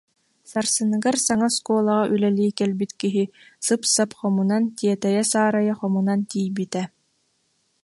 Сарсыныгар саҥа оскуолаҕа үлэлии кэлбит киһи сып-сап хомунан, тиэтэйэ-саарайа хомунан тиийбитэ